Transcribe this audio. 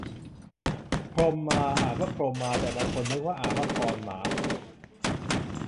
พรหมา อ่านว่าพรม มา แต่บางคนนึกว่าอ่านว่าพอน หมา